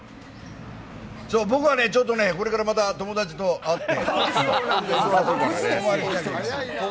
僕はね、これからまた友達と会って。